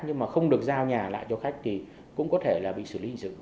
nhưng mà không được giao nhà lại cho khách thì cũng có thể là bị xử lý dựng